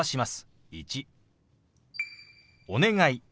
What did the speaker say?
「お願い」。